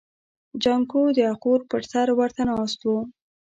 جانکو د اخور پر سر ورته ناست و.